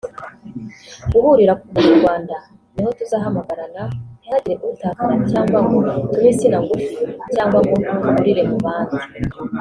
Guhurira ku bunyarwanda niho tuzahamagarana ntihagire utakara cyangwa ngo tube intsina ngufi cyangwa ngo tuburire mu bandi